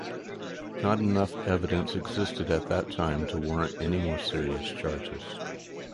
Not enough evidence existed at that time to warrant any more serious charges.